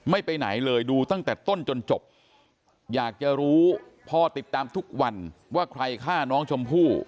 ไปไหนเลยดูตั้งแต่ต้นจนจบอยากจะรู้พ่อติดตามทุกวันว่าใครฆ่าน้องชมพู่